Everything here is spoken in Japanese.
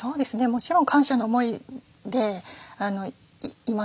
もちろん感謝の思いでいます。